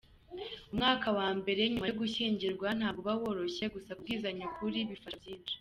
Umwaka wa mbere nyuma yo gushyingirwa ntabwo uba woroshye, gusa kubwizanya ukuri bifasha byinshi.